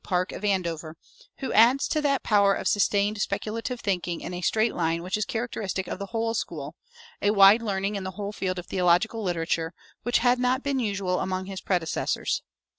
Park, of Andover, who adds to that power of sustained speculative thinking in a straight line which is characteristic of the whole school, a wide learning in the whole field of theological literature, which had not been usual among his predecessors.